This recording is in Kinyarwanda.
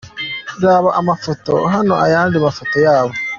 Raba amafoto hano ayandi mafoto yabo.